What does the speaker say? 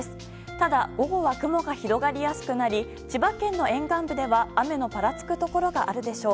ただ午後は雲が広がりやすくなり千葉県の沿岸部では雨のぱらつくところがあるでしょう。